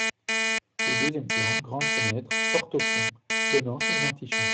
Au deuxième plan, grande fenêtre, porte au fond, donnant sur l’antichambre.